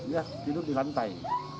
dia tidur di lantai